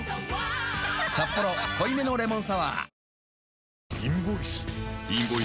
「サッポロ濃いめのレモンサワー」